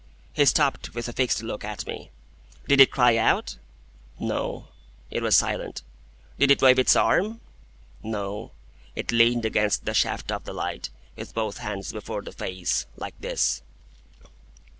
He stopped, with a fixed look at me. "Did it cry out?" "No. It was silent." "Did it wave its arm?" "No. It leaned against the shaft of the light, with both hands before the face. Like this."